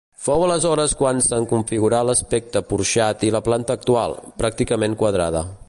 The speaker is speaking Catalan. Fou aleshores quan se'n configurà l'aspecte porxat i la planta actual, pràcticament quadrada.